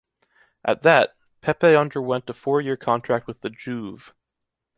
At that, Pepe underwrote a four-year contract with the “Juve”.